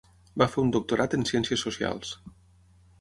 Va fer un doctorat en ciències socials.